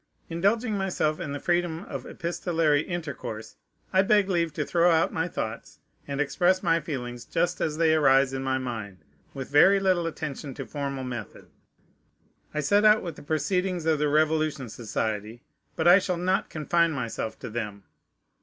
Indulging myself in the freedom of epistolary intercourse, I beg leave to throw out my thoughts and express my feelings just as they arise in my mind, with very little attention to formal method. I set out with the proceedings of the Revolution Society; but I shall not confine myself to them.